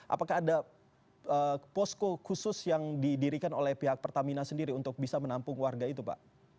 apakah ada posko khusus yang didirikan oleh pihak pertamina sendiri untuk bisa menampung warga itu pak